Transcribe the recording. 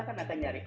atau anak dari siapa